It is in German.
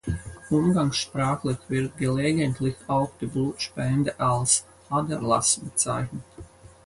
Umgangssprachlich wird gelegentlich auch die Blutspende als "Aderlass" bezeichnet.